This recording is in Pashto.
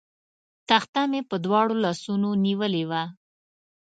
تخته مې په دواړو لاسونو نیولې وه.